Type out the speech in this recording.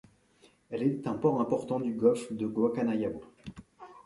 Elle est un port important du Golfe de Guacanayabo.